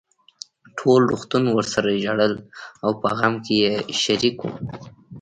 ټول روغتون ورسره ژړل او په غم کې يې شريک وو.